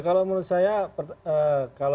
kalau memang fpi tidak memumpar pancasila